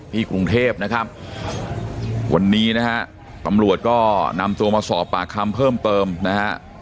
กรุงเทพนะครับวันนี้นะฮะตำรวจก็นำตัวมาสอบปากคำเพิ่มเติมนะฮะ